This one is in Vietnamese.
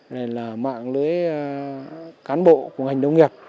rồi là mạng lưới cán bộ của ngành nông nghiệp